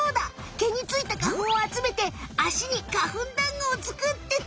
毛についた花ふんをあつめてあしに花ふんだんごを作ってた！